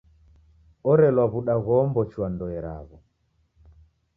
Orelwa w'uda ghoombochua ndoe raw'o.